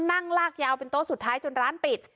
นั่งลากยาวเป็นโต๊ะสุดท้ายจนร้านปิด